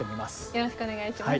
よろしくお願いします。